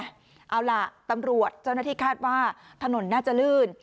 เอาล่ะตำรวจเจ้าหน้าที่คาดว่าถนนน่าจะลื่น